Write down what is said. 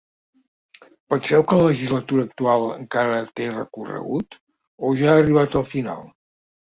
Penseu que la legislatura actual encara té recorregut o ja ha arribat al final?